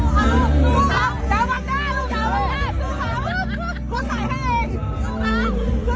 ไม่อยู่ช่วงที่หัวใจมีอะไรอยู่